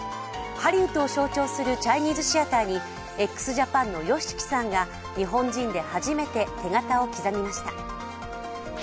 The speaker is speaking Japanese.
ハリウッドを象徴するチャイニーズシアターにＸＪＡＰＡＮのＹＯＳＨＩＫＩさんが日本人で初めて手形を刻みました。